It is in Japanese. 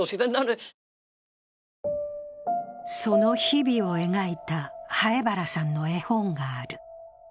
その日々を描いた南風原さんの絵本がある。